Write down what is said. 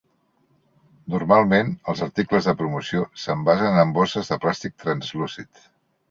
Normalment, els articles de promoció s'envasen en bosses de plàstic translúcid.